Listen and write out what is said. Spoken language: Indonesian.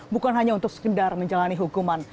bukan hanya untuk sekedar menjalani hukuman